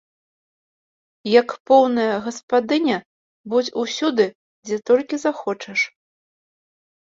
Як поўная гаспадыня будзь усюды, дзе толькі захочаш.